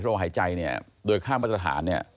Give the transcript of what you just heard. ที่เราหายใจเนี่ยโดยข้ามประสบฐานเนี่ย